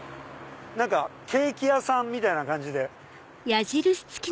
ケーキ屋さんみたいな感じで。